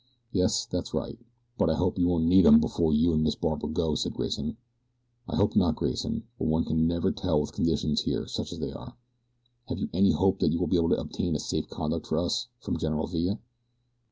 "Yes, that's right; but I hope you won't need 'em before you an' Miss Barbara go," said Grayson. "I hope not, Grayson; but one can never tell with conditions here such as they are. Have you any hope that you will be able to obtain a safe conduct for us from General Villa?"